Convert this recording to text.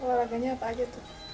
olahraganya apa aja tuh